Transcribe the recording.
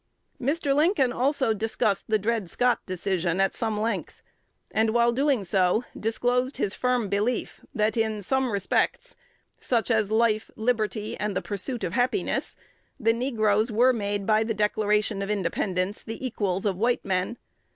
Mr. Lincoln also discussed the Dred Scott Decision at some length; and, while doing so, disclosed his firm belief, that, in some respects, such as "life, liberty, and the pursuit of happiness," the negroes were made by the Declaration of Independence the equals of white men.